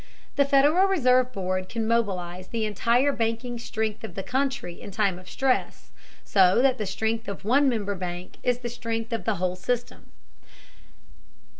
The Federal Reserve Board can mobilize the entire banking strength of the country in time of stress, so that the strength of one member bank is the strength of the whole system.